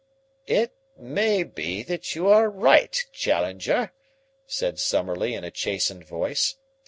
"It may be that you are right, Challenger," said Summerlee in a chastened voice.